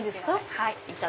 はい。